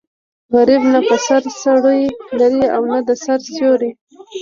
غریب نه په سر څوړی لري او نه د سر سیوری.